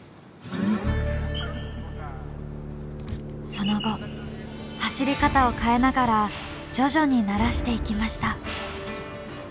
その後走り方を変えながら徐々に慣らしていきました。